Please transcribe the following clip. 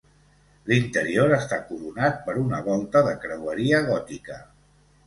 L'interior està coronat per una volta de creueria gòtica.